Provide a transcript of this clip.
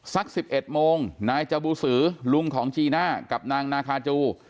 สัก๑๑โมงนายจบูสือลุงของจีน่ากับนางนาคาจู